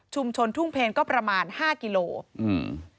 ชุมชนทุ่งเพลงก็ประมาณ๕กิโลกรัม